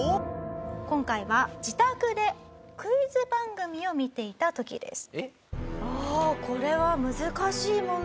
今回は自宅でクイズ番組を見ていた時です。